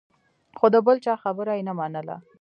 خو د بل چا خبره یې نه منله.